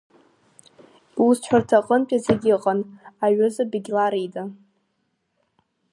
Иусҳәарҭа аҟынтәи зегьы ыҟан, аҩыза Бегьлар ида.